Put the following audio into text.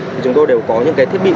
thì chúng tôi đều có những cái thiết bị